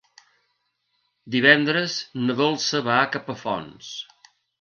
Divendres na Dolça va a Capafonts.